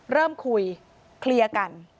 เริ่มคุยเคลียร์กัน